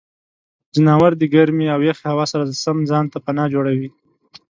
ځناور د ګرمې او یخې هوا سره سم ځان ته پناه جوړوي.